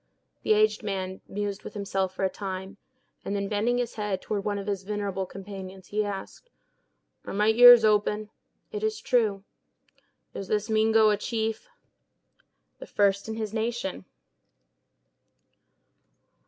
The aged man mused with himself for a time; and then, bending his head toward one of his venerable companions, he asked: "Are my ears open?" "It is true." "Is this Mingo a chief?" "The first in his nation."